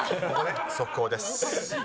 速報です。